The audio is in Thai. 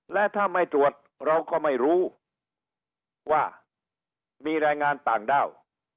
และถ้าไม่ตรวจเราก็ไม่รู้ว่ามีแรงงานต่างด้าว